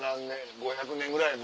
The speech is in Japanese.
５００年ぐらい前？